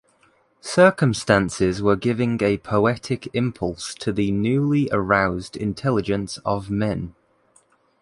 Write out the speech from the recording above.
Circumstances were giving a poetic impulse to the newly-aroused intelligence of men.